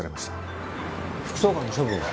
副総監の処分は？